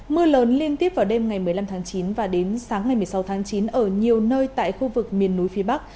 mưa lớn liên tiếp vào đêm ngày một mươi năm tháng chín và đến sáng ngày một mươi sáu tháng chín ở nhiều nơi tại khu vực miền núi phía bắc